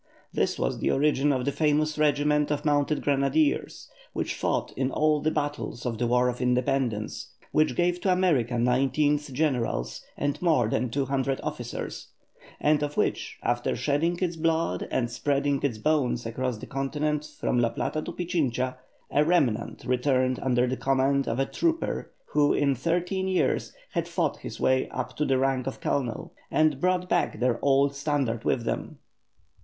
This was the origin of the famous regiment of mounted grenadiers, which fought in all the battles of the War of Independence, which gave to America nineteen generals and more than two hundred officers, and of which, after shedding its blood and spreading its bones across the continent from La Plata to Pichincha, a remnant returned under the command of a trooper who in thirteen years had fought his way up to the rank of colonel, and brought back their old standard with them.